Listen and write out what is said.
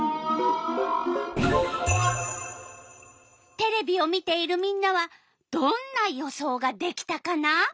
テレビを見ているみんなはどんな予想ができたかな？